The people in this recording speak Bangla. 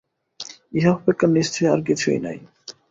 ইহা অপেক্ষা নিশ্চয় আর কিছুই নাই।